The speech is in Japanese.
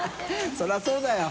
そりゃそうだよ。